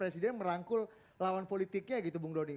presiden merangkul lawan politiknya gitu bung doni